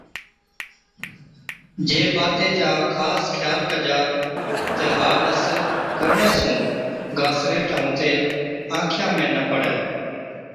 جي باتي چا خاص خيال ڪجا تہ ها ڏس ڪرڻي سُون گاسليٽ ائُون تيل آنکِيان ۾ نہ پڙَي۔